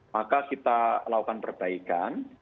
maka kita lakukan perbaikan